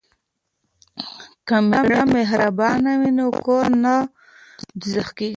که میړه مهربان وي نو کور نه دوزخ کیږي.